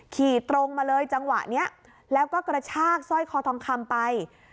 ขี่ตรงมาเลยจังหวะนี้แล้วก็กระชากสร้อยคอทองคำไป